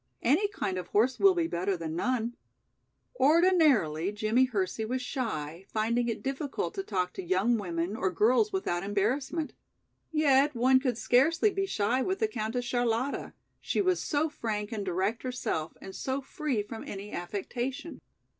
Any kind of horse will be better than none." Ordinarily, Jimmie Hersey was shy, finding it difficult to talk to young women or girls without embarrassment. Yet one could scarcely be shy with the Countess Charlotta, she was so frank and direct herself and so free from any affectation.